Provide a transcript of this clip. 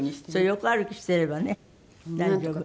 横歩きしてればね大丈夫。